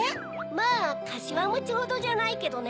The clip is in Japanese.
まぁかしわもちほどじゃないけどね。